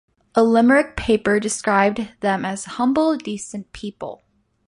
A Limerick paper described them as "humble decent people".